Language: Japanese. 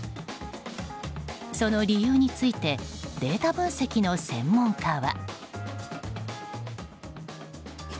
その理由についてデータ分析の専門家は。